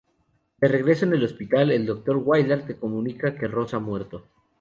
De regreso en el hospital, el doctor Willard le comunica que Ross ha muerto.